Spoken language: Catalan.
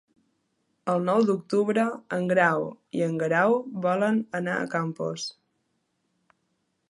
El nou d'octubre en Grau i en Guerau volen anar a Campos.